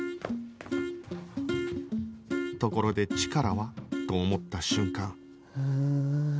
ところでチカラは？と思った瞬間